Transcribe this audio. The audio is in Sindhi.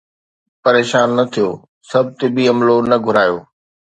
پريشان نه ٿيو، سڀ طبي عملو نه گھٻرايو